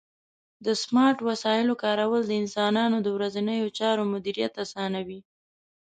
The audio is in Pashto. د سمارټ وسایلو کارول د انسانانو د ورځنیو چارو مدیریت اسانوي.